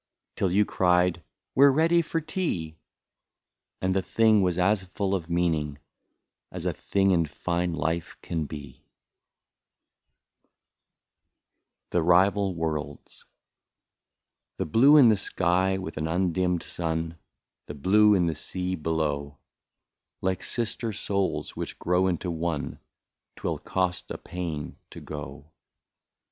Till you cried " We 're ready for tea ";— And the thing was as full of meaning, — As a thing in fine life can be ! 153 THE RIVAL WORLDS. The blue in the sky with an undimmed sun, The blue in the ^ea below, Like sister souls, which grow into one ;— 'T will cost a pain to go.